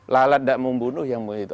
lalat tidak mau membunuh yang mau itu